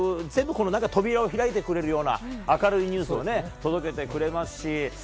全部扉を開いてくれるような明るいニュースを届けてくれますし。